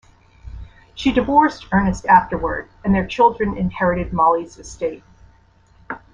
She divorced Ernest afterward, and their children inherited Mollie's estate.